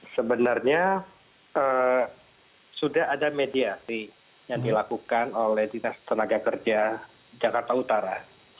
sebenarnya sudah ada mediasi yang dilakukan oleh dinas tenaga kerja jakarta utara